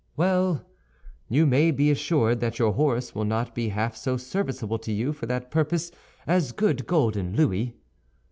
"Well, you may be assured that your horse will not be half so serviceable to you for that purpose as good golden louis.